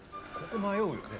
ここ迷うよね